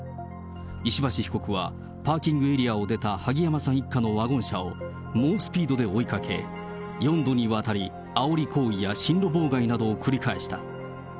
石橋被告はパーキングエリアを出た萩山さん一家のワゴン車を猛スピードで追いかけ、４度にわたり、あおり行為や進路妨害などを繰り返した。